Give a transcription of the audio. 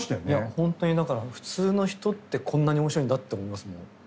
いや本当にだから普通の人ってこんなに面白いんだって思いますもん。